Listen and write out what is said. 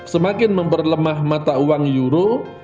semakin memperlemah mata uang euro